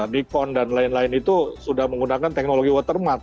nicon dan lain lain itu sudah menggunakan teknologi watermark